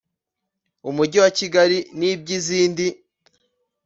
Umujyi wa Kigali n iby izindi